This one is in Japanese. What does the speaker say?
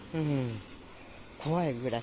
怖いぐらい。